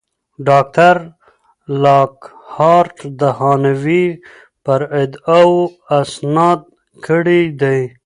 ډاکټر لاکهارټ د هانوې پر ادعاوو استناد کړی دی.